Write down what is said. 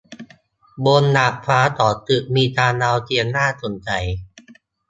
บนดาดฟ้าของตึกมีจานดาวเทียมน่าสงสัย